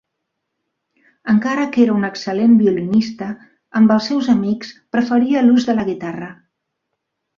Encara que era un excel·lent violinista, amb els seus amics preferia l'ús de la guitarra.